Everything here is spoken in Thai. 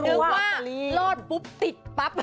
นึกว่ารอดปุ๊บติดปั๊บ